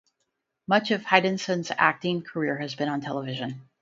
Much of Hedison's acting career has been on television.